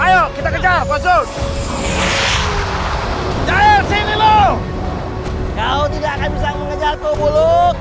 hai ayo kita kejar posisi jahil sini loh kau tidak akan bisa mengejar kubur